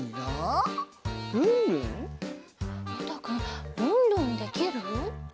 ようたくんルンルンできる？